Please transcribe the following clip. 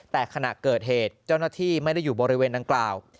แต่ขณะเกิดเหตุเจ้าหน้าที่ไม่ได้อยู่บริเวณดังกล่าว